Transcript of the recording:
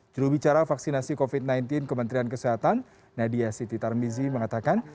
jurubicara vaksinasi covid sembilan belas kementerian kesehatan nadia siti tarmizi mengatakan